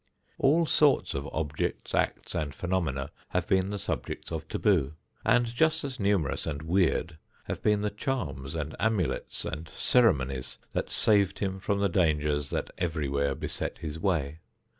All sorts of objects, acts and phenomena have been the subjects of taboo, and just as numerous and weird have been the charms and amulets and ceremonies that saved him from the dangers that everywhere beset his way.